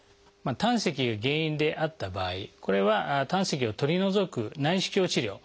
胆石が原因であった場合これは胆石を取り除く内視鏡治療